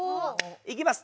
いきます。